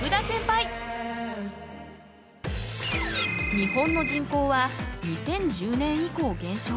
日本の人口は２０１０年以降減少。